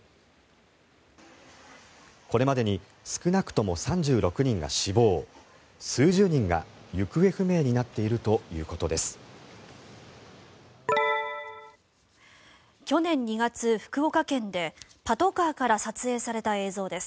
これまでに少なくとも３６人が死亡数十人が行方不明になっているということです。